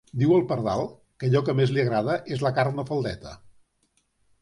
Diu el pardal que allò que més li agrada és la carn de faldeta.